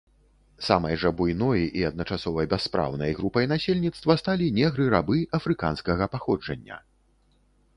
Самай жа буйной і адначасова бяспраўнай групай насельніцтва сталі негры-рабы афрыканскага паходжання.